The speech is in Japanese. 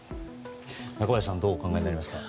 中林さんどうお考えになりますか。